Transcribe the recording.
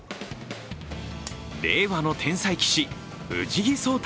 令和の天才棋士、藤井聡太